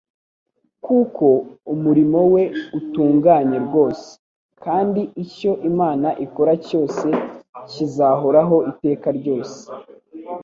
kuko « Umurimo we utunganye rwose;» kandi icyo « Imana ikora cyose kizahoraho iteka ryose.'»